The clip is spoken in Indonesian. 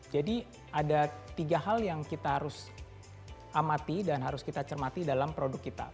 jadi ada tiga hal yang kita harus amati dan harus kita cermati dalam produk kita